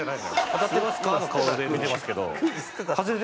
「当たってますか？」の顔で見てますけど。